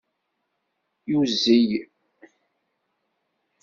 Yuzzel.